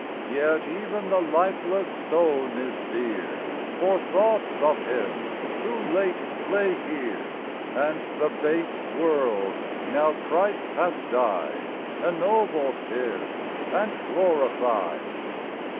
Yet even the lifeless stone is dear For thoughts of Him who late lay here ; And the base world, now Christ hath died, Ennobled is and glorified.